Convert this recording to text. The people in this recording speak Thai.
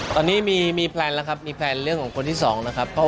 ตอนนี้มีแพลนแล้วครับมีแพลนเรื่องของคนที่สองนะครับ